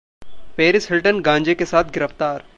Paris Hilton गांजे के साथ गिरफ्तार